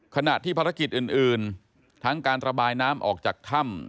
ขณะที่ภารกิจอื่นทั้งการระบายน้ำออกจากถ้ำ